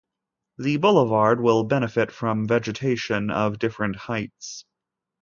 The boulevard will benefit from vegetation of different heights.